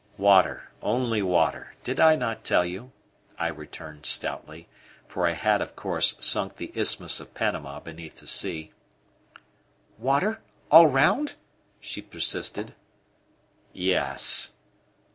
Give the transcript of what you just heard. "Water, only water. Did I not tell you?" I returned stoutly; for I had, of course, sunk the Isthmus of Panama beneath the sea. "Water! All round?" she persisted. "Yes."